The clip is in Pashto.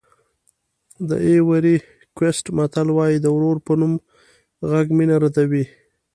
د ایوُري کوسټ متل وایي د ورور په نوم غږ مینه ردوي.